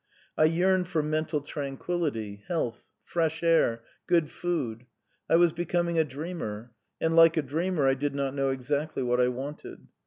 I yearned for mental tranquillity, health, fresh air, good food. I was becoming a dreamer, and, like a dreamer, I did not know exactly what I wanted.